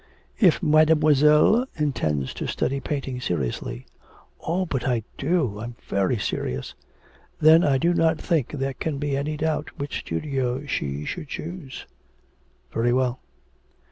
'If Mademoiselle intends to study painting seriously.' 'Oh, but I do; I am very serious.' 'Then I do not think there can be any doubt which studio she should choose.' 'Very well.'